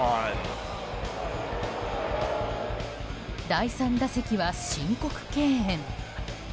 第３打席は申告敬遠。